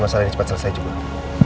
masalah cepat selesai juga ya